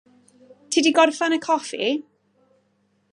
Ti 'di gorffan y coffi.